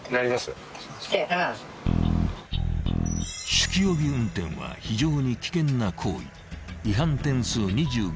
［酒気帯び運転は非常に危険な行為］